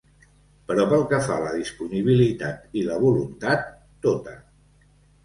Però pel que fa a la disponibilitat i la voluntat, tota.